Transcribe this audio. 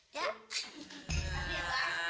ya bang ya